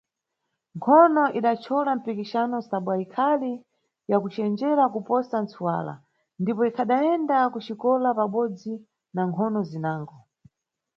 Nkhono idachola mpikixano sabwa ikhali yakucenjera kuposa ntsuwala ndipo ikhadayenda ku xikola pabodzi na nkhono zinango.